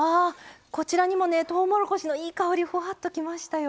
こちらにもとうもろこしのいい香りふわーっときましたよ。